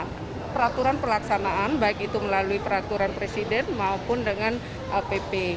karena peraturan pelaksanaan baik itu melalui peraturan presiden maupun dengan pp